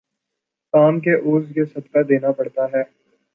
کام کے عوض یہ صدقہ دینا پڑتا ہے۔